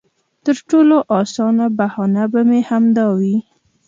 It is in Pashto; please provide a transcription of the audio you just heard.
تر ټولو اسانه بهانه به مې همدا وي.